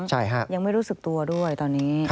ยังไม่รู้สึกตัวด้วยตอนนี้